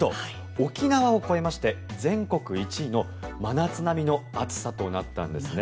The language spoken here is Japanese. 沖縄を超えまして全国１位の真夏並みの暑さとなったんです。